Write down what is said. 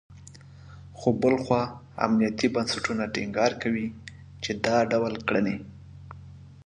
خو بل خوا امنیتي بنسټونه ټینګار کوي، چې دا ډول کړنې …